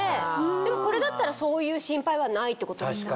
でもこれだったらそういう心配はないってことですよね。